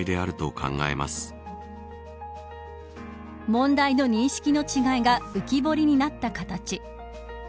問題の認識の違いが浮き彫りになった形。